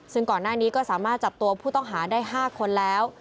ซึ่งก่อนหน้านี้ก็สามารถจับตัวผู้ต้องหาได้๕คนแล้ว